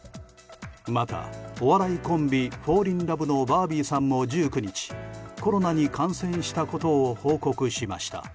また、お笑いコンビフォーリンラブのバービーさんも１９日コロナに感染したことを報告しました。